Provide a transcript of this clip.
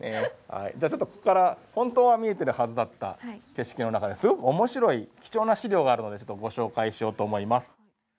じゃあちょっとここから本当は見えてるはずだった景色の中ですごく面白い貴重な資料があるのでちょっとご紹介しようと思います。